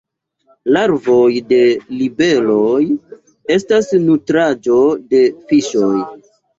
Larvoj de libeloj estas nutraĵo de fiŝoj.